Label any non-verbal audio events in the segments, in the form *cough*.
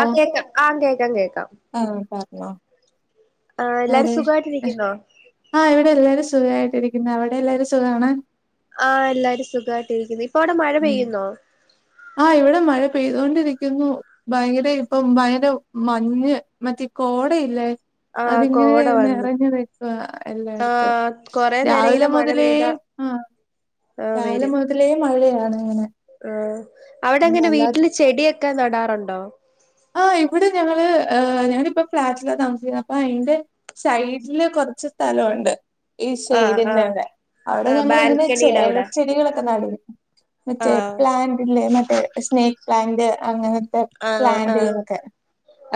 ആ കേട്ടു ആ കേക്കാം കേക്ക ആ പറ്ഞ്ഞോ ആ എല്ലാരും *unintelligible* സുഖമായിട്ടിരിക്കുന്നോ ആ ഇവ്ടെല്ലാരും സ് സുഖായ്ട്ടിരിക്ക്ന്ന് അവിടെ എല്ലാരും സുഖാണ് ആ എല്ലാരും സുഖായ്ട്ടിരിക്ക്ന്ന് ഇപ്പവ്ടെ മഴ ഉം പെയ്യുന്നോ ആഹ് ഇവിടെ മഴ പെയ്തൊണ്ടിരിക്കുന്നു ഭയങ്കര ഇപ്പം ഭയങ്കര മഞ്ഞ് മറ്റേ കോടയില്ലേ ആ അതിങ്ങനെ കോട വന്ന് നിറഞ്ഞ് നിക്കും ആ എല്ലായ്ട്ത്തും കൊറേ നേരം രാവിലെ ഇങ്ങനെ മഴ മുതലേ പെയ്താ ആ ആ രാവിലെ വരും മുതലേ മഴയാണ് ഇങ്ങനെ ആ അവിടെങ്ങനെ വല്ലാതെ വീട്ടില് ചെടിയൊക്കെ നടാറുണ്ടോ ആ ഇവിടെ ഞങ്ങള് ഞങ്ങളിപ്പം ഫ്ളാറ്റിലാ താമസിക്കുന്നേ അപ്പൊ അയ്ന്റെ സൈഡ്ല് കുറച്ച് സ്ഥലമുണ്ട് ഈ ആ ആ *unintelligible* അവ്ടെ ആ ഞങ്ങളിങ്ങനെ ചെല ബാൽക്കണിയുടെ അവിടെ എലച്ചെടികളൊക്കെ നടും ആ മറ്റേ പ്ലാന്റ്ല്ലേ മറ്റേ സ്നൈക് പ്ലാന്റ് അങ്ങനത്തെ ആ പ്ലാാന്റ് ആ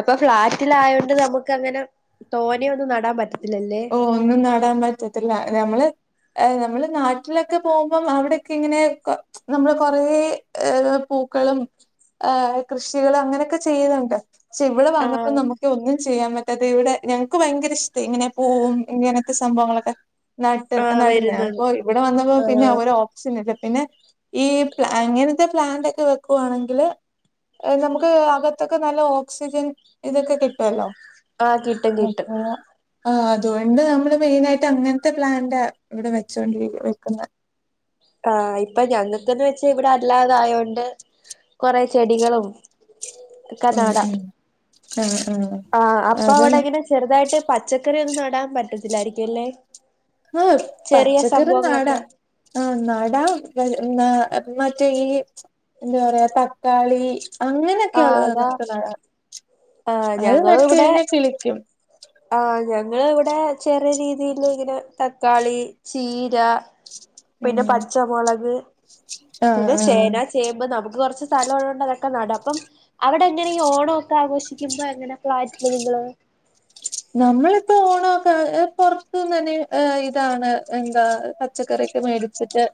അപ്പൊ ഫ്ളാറ്റിലായോണ്ട് നമുക്കങ്ങനെ തോനൊന്നും നടാൻ പറ്റില്ല ഓ ഒന്നും നടാൻ പറ്റത്തില്ല ഞമ്മള് നമ്മള് നാട്ട്ലൊക്കെ പോവുമ്പം അവിടൊക്കിങ്ങനെ നമ്മള് കൊറേ പൂ പൂക്കളും ആ കൃഷികളും അങ്ങനൊക്കെ ചെയ്യുന്നുണ്ട് പക്ഷെ ഇവടെ ആ വന്നപ്പോ നമുക്ക് ഒന്നും ചെയ്യാൻ പറ്റാത്തെ ഇവിടെ ഞങ്ങൾക്ക് ഭയങ്കര ഇഷ്ടെ ഇങ്ങനെ പൂവും ഇങ്ങനത്തെ സംഭവങ്ങളൊക്കെ നാട്ട് ആ നട്ന്നാ വരുന്നത് അപ്പൊ ഇവടെ വന്നപ്പോ ആ പിന്നെ ഒര് ഓപ്ഷനില്ല പിന്നെ ഈ പ്ലാ അങ്ങനത്തെ പ്ലാൻ്റൊക്കെ വെക്കുവാണെങ്കിൽ നമുക്ക് അക ത്തൊക്കെ നല്ല ഓക്സിജൻ ഇതൊക്കെ കിട്ടൊല്ലോ ആ കിട്ടും കിട്ടും ആ അതുകൊണ്ട് നമ്മള് മെയിനായ്ട്ട് അങ്ങനത്തെ പ്ലാന്റാ ഇവ്ടെ വെച്ചൊണ്ടിരി വെക്കുന്നെ ആ ഇപ്പൊ ഞങ്ങൾക്ക്ന്ന് വെച്ചാ ഇവിടല്ലാതായോണ്ട് കൊറെ ചെടികളും ക്കെ നടാ ആ ആ അപ്പൊ അവിടെങ്ങനെ ചെറുതായിട്ട് പച്ചക്കറി ഒന്നും നടാൻ പറ്റത്തില്ലായിരിക്കും അല്ലേ ആഹ് ചെറിയ പച്ചക്കറി നടാ സംഭവങ്ങളൊക്കെ ആ നടാ ന മറ്റേ ഈ എന്താ പറയാ തക്കാളി ആഹ് അങ്ങനെയൊക്കെയുള്ളത് അതാ നമുക്ക് നടാം അത് നട്ട് കഴിഞ്ഞാൽ കിളിക്കും ആ ഞങ്ങള് ഇവിടെ ചെറിയ രീതില് ഇങ്ങനെ തക്കാളി ചീര ഉം പിന്നെ പച്ചമുളക് ആഹ് പിന്നെ ആഹ് ചേന ചേമ്പ് നമുക്ക് കുറച്ച് സ്ഥലം ഉള്ളോണ്ട് അങ്ങ ക്കെ നടാം അപ്പം അവിടെ എങ്ങനെ ഓണം ഒക്കെ ആഘോഷിക്കുമ്പോ എങ്ങനെയാ ഫ്ലാറ്റില് നിങ്ങള് നമ്മളിപ്പോ ഓണമൊക്കെ പുറത്തുന്ന് തന്നെ ഇതാണ് എന്താ പച്ചക്കറി ക്കെ മേടിച്ചിട്ട്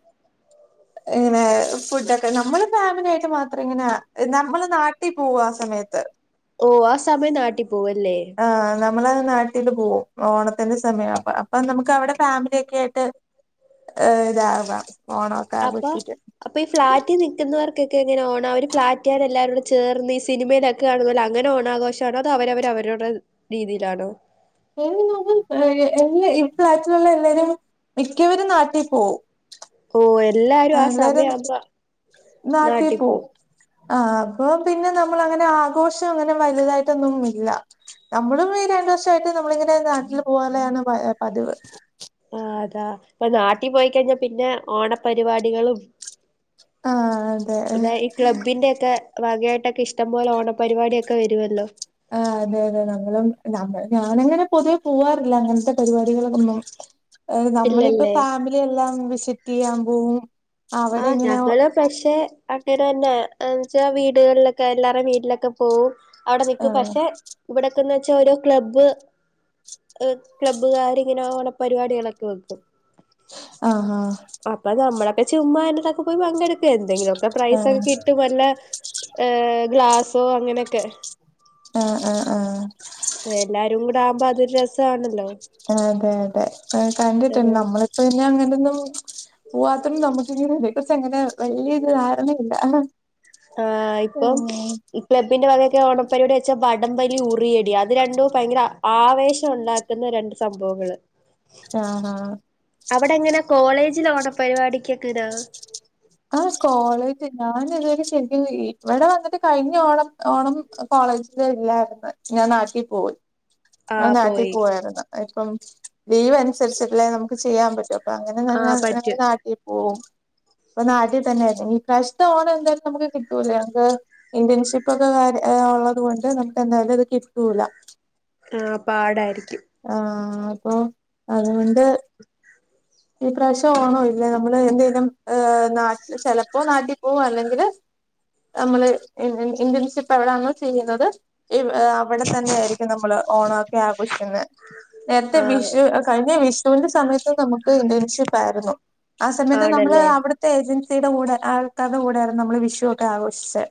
ഇങ്ങനെ ഫുഡക്കെ നമ്മള് ഫാമിലി ആയിട്ട് മാത്രം ഇങ്ങനെ ആ നമ്മള് നാട്ട ട്ടി പോവാ ആ സമയത്ത് ഓഹ് ആ സമയം നാട്ടിൽ പോവല്ലേ നമ്മള് നാട്ടില് പോവും ഓണത്തിൻ്റെ സമയവ അപ്പോ അപ്പൊ നമുക്ക് അവിടെ ഫാമിലിയൊക്കെ ആയിട്ട് ഇതാവാം അപ്പൊ അപ്പൊ ഈ ഫ്ളാറ്റി നിക്കുന്നവർക്ക് ക്ക്ക്കെങ്ങന ഓണം അവര് ഫ്ലാറ്റുകാര് എല്ലാരുടെ ചേർന്ന് ഈ സിനിമയിലൊക്കെ കാണുന്ന പോലെ അങ്ങനെ ഓണഘോഷവാണോ അതോ അവരു അവര്- അവരുടെ രീതിയിലാണോ *unintelligible* ഈ ഫ്ലാറ്റിലുള്ള എല്ലാരും മിക്കവരും നാട്ടി പോവും ഓ എ ആ എല്ലാരും നാട്ടിൽ പോവും ആ അപ്പൊ പിന്നെ നമ്മൾ അങ്ങനെ ആഘോഷം അങ്ങനെ വലുതായിട്ടൊന്നും ഇല്ല നമ്മളും ഈ രണ്ടു വർഷായിട്ട് നമ്മളിങ്ങനെ പിന്നെ നാട്ടിൽ പോകാലെയാണ് പ പതിവ് ആ അതാ ഇപ്പ നാട്ടി പോയിക്കഴിഞ്ഞാ പിന്നെ ഓണപരിപാടികളും ആ അതെ അതായ ഈ ക്ലബ്ബിന്റെ ഒക്കെ ഭാഗായിട്ട് ട്ടൊക്കെ ഇഷ്ടം പോലെ ഓണപരിപാടി ഒക്കെ വരുവല്ലോ ആ അതെ അതെ ഞങ്ങളും ഞങ്ങ ഞാനങ്ങനെ പൊതുവെ പോവാറില്ല അങ്ങനത്തെ പരിപാടികൾക്കൊന്നും ഏ നമ്മളിപ്പോ ഇല്ലല്ലേ ഫാമിലിയെല്ലാം വിസിറ്റ് ചെയ്യാൻ പോവും ആ അവിടെ ഇങ്ങനെ ഞങ്ങള് പക്ഷെ അങ്ങനെ തന്നെ എന്നുവെച്ചാ വീടുകളിലൊക്കെ എല്ലാരുടെയും വീട്ടിലൊക്കെ പോവും അവിടെ നിക്കും ആഹ് പക്ഷെ ഇവിടെ എന്നുവെച്ചാ ഓരോ ക്ലബ്ബ് ക്ലബ്ബുകാര് ഇങ്ങനെ ഓണപരിപാടികളൊക്കെ വെക്കും ആഹ അപ്പൊ നമ്മളൊക്കെ ചുമ്മാ ആയിൻ്റെതൊക്കെ പോയി പങ്കെടുക്ക് എന്തെങ്കിലും ഒക്കെ പ്രൈസ് ആഹ് ഒക്കെ കിട്ടും വല്ല ഏഹ് ഗ്ലാസോ അങ്ങനെ ആ ആ ആ എല്ലാരും കൂടെ ആവുമ്പോ അതൊരു രസവാണല്ലോ അതെ അതെ ആ കണ്ടിട്ടുണ്ട് നമ്മളിപ്പോ *unintelligible* അങ്ങനെ നെ ഒന്നും പോവത്തൊണ്ട് നമുക്ക് ഇങ്ങന അതെ കുറിച്ച് അങ്ങനെ വലിയ ഒരു ധാരണയില്ല ആ ഇപ്പം ഏഹ് ഇ ക്ലബ്ബിന്റെ വക ഒക്കെ ഓണപരിപാടി വെച്ചാ വടം വലി ഉറിയടി അത് രണ്ടു ഭയങ്കര ആ ആവേശം ഉണ്ടാക്കുന്ന രണ്ട് സംഭവങ്ങള് ആഹാ അവിടെ എങ്ങനാ കോളേജില ഓണ പരിപാടിക്ക് എങ്ങനാ ആ കോളേജ് ഞാൻ *unintelligible* ശരിക്കും ഇവിടെ വന്നിട്ട് കഴിഞ്ഞ ഓണം ഓണം കോളേജില് ഇല്ലായിരുന്നു ഞാൻ നാട്ട ക്ക് പോയി ആ ആഹ് നാട്ടിൽ പോയി പോയായിരുന്ന് ഇപ്പം ലീവ് അനുസരിച്ചല്ലേ നമുക്ക് ചെയ്യാൻ പറ്റൂ - *unintelligible* അങ്ങനെ ആഹ് *unintelligible* ഞ പറ്റും നാട്ടി പോവും അപ്പൊ നാട്ടിൽ തന്നെയായിരുന്നു ഈ പ്രാവിശ്യത്തെ ഓണം എന്തായാലും നമുക്ക് കിട്ടൂല ഞങ്ങക്ക് ഇന്റേൺഷിപ്പ് ഒക്കെ കാര *unintelligible* ഉള്ളത് കൊണ്ട് നമുക്ക് എന്തായാലും ഇത് കിട്ടൂല ആ പാടായിരിക്കും ആ അപ്പൊ അതുകൊണ്ട് ഈ പ്രാവശ്യം ആണോ ഇല്ല നമ്മള് എന്തേലും ഏഹ് നാട്ടിൽ ചെലപ്പോ നാട്ടി പോകും അല്ലെങ്കില് നമ്മള് ഇൻ ഇൻ ഇന്റൺഷിപ്പ് എവിടെന്നോ ചെയ്യുന്നത് ഇവ് ഏഹ് അവിടെ തന്നെ ആരിക്കും നമ്മള് ഓണൊക്കെ ആഘോഷിക്കുന്നേ നേരത്തെ ആഹ് വിഷു അ കഴിഞ്ഞേ വിഷ് *unintelligible* സമയത്ത് നമുക്ക് ഇന്റേൺഷിപ്പ് ആരുന്നു ആ സമയത്ത് നമ്മള് ആണല്ലേ അവിടത്തെ ഏജൻസ് സീടെ കൂടെ ആൾക്കാർടെ കൂടെ ആരുന്നു നമ്മള് വിഷു ഒക്കെ ആഘോഷിച്ചേ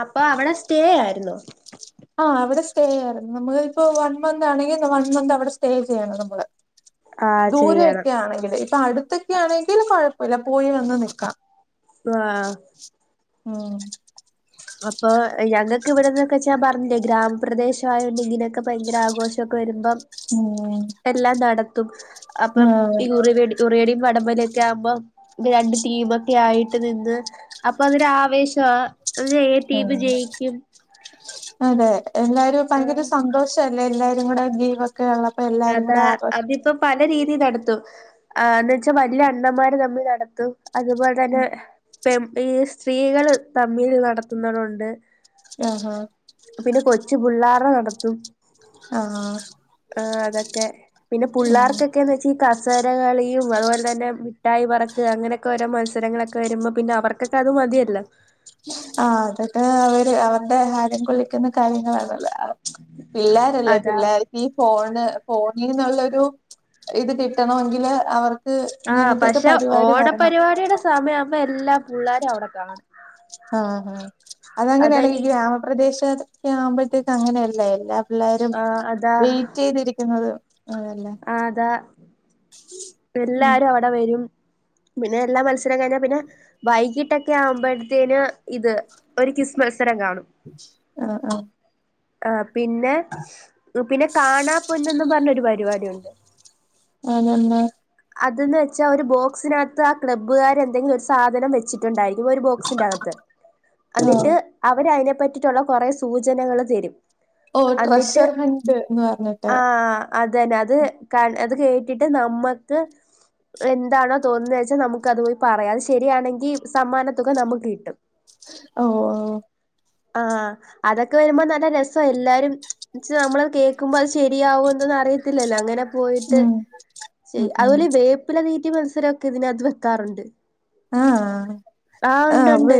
അപ്പൊ അവിടെ സ്റ്റേ ആയിരുന്നോ ആഹ് അവിടെ സ്റ്റേയാരുന്നു നമ്മള് ഇപ്പോ വൺ മന്ത് ആണെങ്കി ന വൺ മന്ത് അവിടെ സ്റ്റേ ചെയ്യണം നമ്മള് ആഹ് ചെയ്യണം ദൂരക്കെ ആണെങ്കില് ഇപ്പ അടുത്തൊക്കെയാണെങ്കില് കൊഴപ്പല്ല പോയി വന്ന് നിക്കാം *unintelligible* ഉം അപ്പൊ ഇ ഞങ്ങക്ക് ഇവിടെന്നൊക്കെച്ച് ഞാം പറഞ്ഞില്ലേ ഗ്രാമപ്രദേശം ആയോണ്ട് ഇങ്ങനയൊക്കെ ഭയങ്കര ആഘോഷൊക്കെ വരുമ്പം ഉം എല്ലാം നടത്തും അപ്പം ആഹ് ഈ ഉറിവെടി ഉറിയടീം വടം വലിയൊക്കെ ആകുമ്പം രണ്ട് ടീമൊക്കെ ആയിട്ട് നിന്ന് അപ്പൊ അതൊരു ആവേശവാ അതിന് ഏ ടീമ് ജെയിക്കും അതേ എല്ലാരും ഭയങ്കര സന്തോഷല്ലേ എല്ലാവരും കൂടെ ജീവസ് അതാ അതിപ്പം പല രീതീ നടത്തും ആന്ന് വെച്ചാ വല്യ അണ്ണമാര് തമ്മില് അടത്തും അതുപോൽ തന്നെ പെം ഈ സ്ത്രീകള് തമ്മില് നടത്തുന്നതൊണ്ട് ആഹാ പിന്നെ കൊച്ചുപിള്ളാരടെ നടത്തും അ ആഹ് ആ അതക്കെ പിന്നെ ഉം പുള്ളാർക്കെക്കേന്ന് വെച്ച് ഈ കസ് സേര കളിയും അതുപോലെ തന്നെ മുഠായി പറക്ക് അങ്ങനെക്കെ ഓരോ മത്സരങ്ങളക്കെ വരുമ്പം പിന്നെ അവർക്കക്കെ അത് വ മതിയല്ല ആഹ് അതൊക്കെ അവര് അവർടെ ഹരം കൊള്ളിക്കുന്ന കാര്യങ്ങളാണല്ല *unintelligible* പിള്ളാരല്ലേ അതാ പിള്ളാർക്കീ ഫോൺ ണ് ഫോണീന്നൊള്ളൊരു ഇത് കിട്ടണോങ്കില് അവർ ആഹ് പക്ഷെ ഓണപരിപാടിയുടെ സമയാമ്പം എല്ലാ പുള്ളാരും അവിട കാണും ആ അ ഹാ അതാ അതങ്ങനെയാണെങ്കി ഈ ഗ്രാമപ്രദേശക്കെ ആവുമ്പഴ്‌ത്തേക്ക് അങ്ങനെയല്ലേ എല്ലാ എല്ലാരും ആഹ് അതാ വെയിറ്റ് ചെയ്തിരിക്കുന്നത് ആഹ് അതാ ഉം എല്ലാരും അവിടെ വെരും പിന്നെ എല്ലാ മത്സരം കഴിഞ്ഞാ പിന്നെ വൈകിട്ടൊക്കെ ആവുമ്പഴ്‌ത്തേന് ഇത് ഒരു ക്വിസ് മത്സ് ആഹ് ആഹ് ആ പിന്നേ പിന്നെ കാണാ പൊന്നെന്നും പറഞ്ഞൊരു പരിപാടിയൊണ്ട് അതന്നെ അതന്ന് വെച്ചാ ഒരു ബോക്സിനാത്ത് ആ ക്ലബ്ബുകാരെന്തെങ്‌ ഒരു സ് സാധനം വെച്ചിട്ടുണ്ടാരിക്കും ഒരു ബോക്സിന്റെകത്ത് അന്നിട്ട് ആഹ് അവരയിനെ പറ്റിറ്റൊള്ള കൊറേ സൂചനകള് തെരും ഓ ട്രഷർ ഹണ്ട് എന്ന് പറഞ്ഞിട്ട് ആഹ് അതന്നെ അത് കൾ അത് കേട്ടിട്ട് നമ്മക്ക് എന്താണോ തോന്ന്ന്നേച്ച് നമുക്ക് അത് പോയി പറയാം അത് ശെരിയാണെങ്കി സമ്മാന തുക നമുക്ക് കിട്ടും ഓ ഓ *inaudible* ആഹ് അതൊക്കെ വരുമ്പം നല്ല രസ്സ്വാ എല്ലാരും ച്ചാ അമ്മളത് കേക്കുമ്പ അത് ശെരിയാവോന്ന് ന അറിയത്തില്ലല്ലോ അങ്ങനെ ഉം ചെയ് ഉം ഉം അതുപോലീ വേപ്പില തീറ്റി മത്സരോക്കെ ഇതിനാത്ത് വെക്കാറുണ്ട് ആ ആഹ് ആ ഉണ്ട് ഉണ്ട് വേ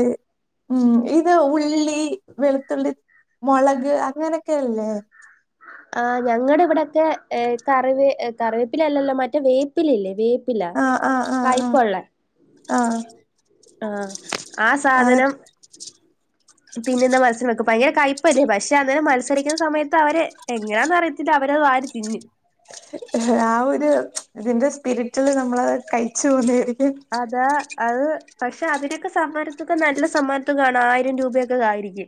ഉം ഇത് ഉള്ളി വെളുത്തുള്ളി മൊളക് അങ്ങനൊക്കെയല്ലേ ആഹ് ഞങ്ങടെ ഇവിടെക്കെ ഏഹ് കറിവേ എ കറിവേപ്പിലയല്ലല്ലോ മറ്റേ വേപ്പിലല്ലേ വേ പ്പില്ലാ ആഹ് ആഹ് ആഹ് ആഹ് കയ്പ്പൊള്ളെ ആഹ് ആഹ് ആ അത് സാധനം തിന്നുന്ന മത്സ്യം വെക്കും ഭയങ്കര കയ്പ്പായിരി പക്ഷെ അന്നേരം മത്സരിക്കുന്ന സമയത്ത് അവര് എങ്ങനാന്നറിയത്തില്ല അവരത് വാരിത്തിന്നും. ആ ഒരു ഇതിന്റെ സ്പിരിറ്റില് നമ്മളത് കഴിച്ചു പൊവ്വ്നായിരിക്കും അതാ അത് പക്ഷെ അതിനൊക്കെ സമ്മാനത്തൊക നല്ല സമ്മാനത്തൊകാണ് ആയിരം രൂപയൊക്കെ ആയിരിക്കും.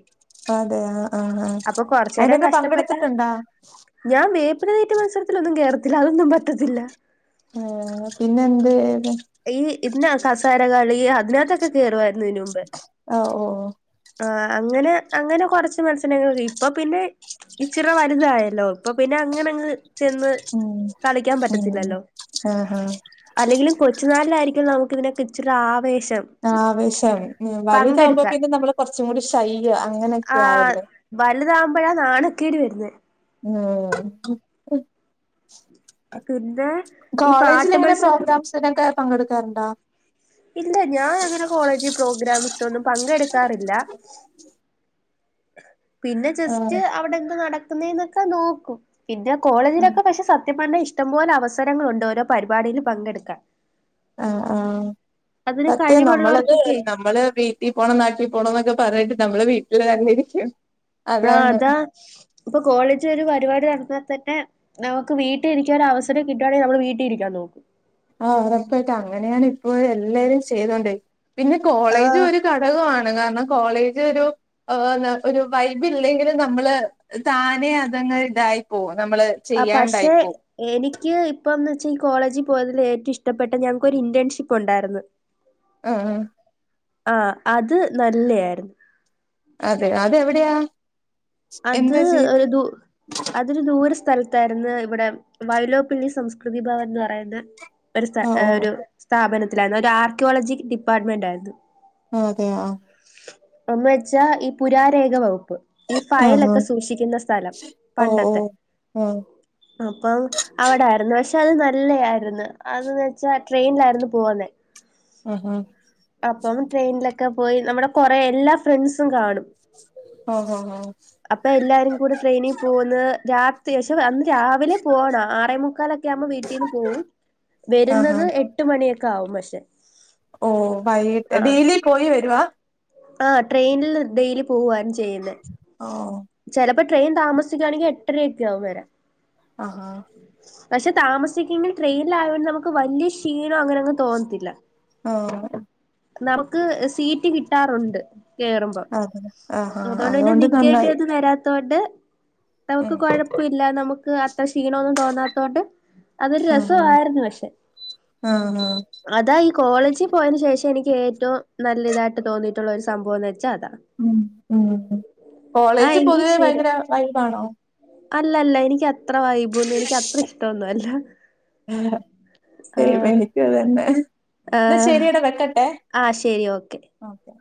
അതെ ആ ആഹ് ആഹ അപ്പൊ കൊറച്ചേരം അയിതിനൊക്കെ പങ്കെടുത്തിട്ടുണ്ടാ അതീറ്റ മത്സരത്തിലൊന്നും കേറത്തില്ല അതൊന്നും പറ്റത്തില്ല. ആ പിന്നെ എന്ത് ഈ ഇതിന കസരകളി അതിനകത്തൊക്കെ കേറുവായിരുന്നു. ഓ ഓഓ ആഹ് അങ്ങനെ അങ്ങനെ കൊറച്ച് മത്സരങ്ങൾക്ക്‌ ഇപ്പൊ പിന്നെ ഇച്ചിറ വലുതായല്ലോ ഇപ്പൊ പിന്നെ അങ്ങനങ്ങ് ചെന്ന് ഉം കളിക്കാൻ ഉം പറ്റത്തില്ലല്ലോ ആഹാ അല്ലെങ്കിലും കൊച് ലായിരിക്കും നമുക്ക് ഇതിനൊക്കെ ഇച്ചിരി ആവേശം ആവേശാണ് വലുതാകുമ്പോ പങ്കെടുക്കാൻ പിന്നെ നമ്മള് കൊറച്ചുംകൂടി ശയ്യ് അങ്ങനെയൊക്കെ ആവല്ലോ പ്പഴാ നാണക്കേടിവരുന്ന് ഉംമ് പിന്നെ ഈ കോളേജിൽ പാട്ട് എങ്ങനെ മത്സരം പ്രോഗ്രാംസ്നൊക്കെ പങ്കെടുക്കാറുണ്ടോ ഇല്ല ഞാൻ അങ്ങനെ കോളേജ് പ്രോഗ്രാംസിനൊന്നും പങ്കെടുക്കാറില്ല പിന്നെ ജസ്റ്റ് ആഹ് അവിടെ എന്താ നടക്കുന്നെന്നൊക്കെ നോക്കും പിന്നെ കോളേജിലൊക്കെ പക്ഷെ സത്യം പറഞാ ഇഷ്ടംപോലെ അവസരങ്ങളുണ്ട് ഓരോ പരിപാടിയിൽ പങ്കെടുക്കാൻ ആഹ ആ അതിന് സത്യ നമ്മളത് കഴിവുള്ളവർക്കൊക്കെ നമ്മള് വീട്ടിൽ പോണം നാട്ടിൽ പോണം എന്നൊക്കെ പറഞ്ഞിട്ട് നമ്മൾ വീട്ടിൽതല്ലരിക്കും ആ അതാ ഇപ്പൊ കോളേജിൽ ഒരു പരിപാടി നടത്താ തന്നെ നമുക്ക് വീട്ടിലിരിക്കാ ഒരു അവസരം കിട്ടുവാണെങ്കിൽ നമ്മള് വീട്ടിരിക്കാൻ നോക്കും. ആഹ് ഉറപ്പായിട്ട് അങ്ങനെയാണ് ഇപ്പോ എല്ലാരും ചെയ്തോണ്ട് പിന്നെ കോളേജ് ഒരു ഘടകമാണ് അതുകാരണം കോളേജൊരു എന്താ ഒരു വൈബില്ലെങ്കിലും നമ്മള് താനെഅത്‌ ങ് തായി പോവും നമ്മള് ആ ചെയ്യാണ്ടായി പക്ഷെ പോവും എനിക്ക് ഇപ്പം ന് ഈ കോളേജി പോയതിൽ ഏറ്റവും ഇഷ്ടപ്പെട്ട ഞങ്ങക്കൊരു ഇന്റേൺഷിപ്പ് ഉണ്ടായിരുന്നു ആഹ ആഹ് അത് നല്ല ആയിരുന്നു. അതെ അതെവിടെയാ അത് എന്താ ചെയ്തെ ഒരു ദു അതൊരു ദൂരസ് സ്ഥലത്തായിരുന്നു ഇവിടെ വയലോപ്പിള്ളി സംസ്കൃതി ഭവൻ എന്ന് പറയുന്ന ഒരു സ്ത ആഹ് ഏ ഓ ഒരു സ്ഥാപനത്തിലായിരുന്നു ഒരു ആർക്കിയോളജി ഡിപ്പാർട്ട്മെന്റായിരുന്നു. ആ അതെയ ആഹ ഒന്നവെച്ചാ ഈ പുരാരേഖ വകുപ്പ് ഈ ആഹ് ഫയലൊക്കെ സൂക്ഷിക്കുന്ന സ്ഥലം ഓ ഓ പണ്ടത്തെ ആഹ് അപ്പം അവിടായിരുന്നുച്ച പ്പത് നല്ലയായിരുന്നു അതന്ന് വെച്ചാ ട്രെയിനിലായിരുന്നു പോവന്നെ ആഹ അപ്പം ട്രെയിനിലൊക്കെ പോയി നമ്മുടെ കൊറേ എല്ലാസ് ഹാ ഹാ ഹാ അപ്പൊ എല്ലാരും കൂടെ ട്രെയിനി പോകുന്ന് രാത്രി പക്ഷെ അന്ന് രാവിലെ പോവണം ആറേമുക്കാലൊക്കെ ആവുമ്പോക്കെ വീട്ടീന്ന് പോകും ആഹ് വരുന്നത് എട്ട് മണിയൊക്കെ ആവും പക്ഷെ ഓ വൈകീട്ട് ഡെയിലി പോയി വരുവാ ആ ട്രെയിനിൽ ഡെയിലി പോവ്വായിരുന്നചെയ്യുന്ന ഓ ചെലപ്പ് പ്പൊ ട്രെയിൻ താമസിച്ച്ക്കാണെങ്കിൽ എട്ടരയൊക്കെ ആവും വരാൻ അഹാ പക്ഷെ താമസിക്കെങ്കിൽ ട്രെയിനൽ ആയതോണ്ട് നമുക്ക് വല്യ ശീ *unintelligible* അങ്ങനങ് തോന്നത്തില്ല ആ നമുക്ക് സീറ്റ് കിട്ടാറുണ്ട് കേറുമ്പം അതെ ആഹാ അതുകൊണ്ട് തന്നെ നിക്കേണ്ടി നന്നായി ഒന്നും വരാത്തൊണ്ട് ഉം നമുക്ക് കൊഴപ്പില്ല നമുക്ക് ഇത്ര ക്ഷീണൊന്നും തോന്നാത്തോണ്ട് അതൊരു ആഹാ രസമായിരുന്നു പക്ഷെ ആഹാ അതാ ഈ കോളേജിൽ പോയന് ശേഷം എനിക്ക് ഏറ്റവും നല്ലതായി്ട്ട് തോന്നയിട്ടുള്ള ഒരു സംഭവംന്ന് വെച്ചൽ ഉം ഉ ആ കോളേജ് എങ്കിൽ പൊതുവെ ശരി ഭയങ്കര വയ്പാണോ അല്ല അല്ല എനിക്ക് അത്ര വൈബൊന്നും എനിക്ക് അത്ര ഇഷ്ടോൊന്നും അല്ല *unintelligible* ഇന്നാ ശെരിട വെക്കട്ടെ ആ ശരി ഓക്കെ ഓക്കെ